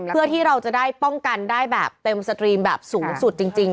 เพื่อที่เราจะได้ป้องกันได้แบบเต็มสตรีมแบบสูงสุดจริง